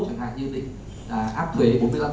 chẳng hạn như áp thuế bốn mươi năm